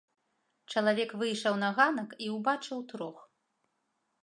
Чалавек выйшаў на ганак і ўбачыў трох.